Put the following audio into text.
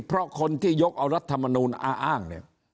เพราะคนที่ยกเอารัฐมนูลอ้าง